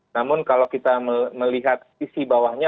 namun kalau kita melihat sisi bawahnya